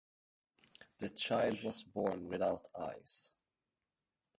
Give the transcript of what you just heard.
The child was born without eyes.